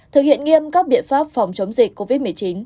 thực hiện nghiêm các biện pháp phòng chống dịch covid một mươi chín